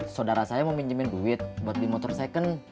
saudara saya mau pinjemin duit buat di motor second